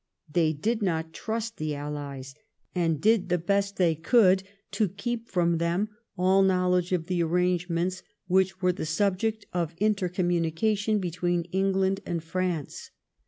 They did not trust the Allies, and did the best they could to keep from them all knowledge of the arrangements which were the subject of inter communication be tween England and France.